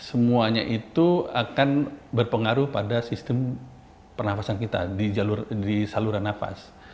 nah semuanya itu akan berpengaruh pada sistem pernafasan kita di jalur di saluran nafas